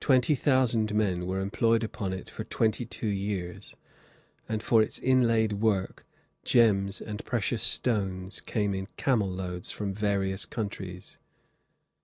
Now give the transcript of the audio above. Twenty thousand men were employed upon it for twenty two years, and for its inlaid work "gems and precious stones came in camel loads from various countries."